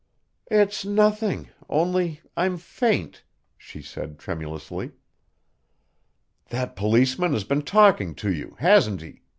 "It's nothing only I'm faint," she said tremulously. "That policeman has been talking to you hasn't he?"